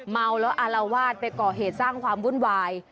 เมาแล้วอารวาสไปก่อเหตุสร้างความวุ่นวาย